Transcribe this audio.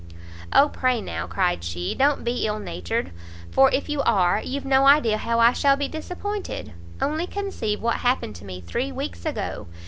"O pray, now," cried she, "don't be ill natured, for if you are, you've no idea how I shall be disappointed. Only conceive what happened to me three weeks ago!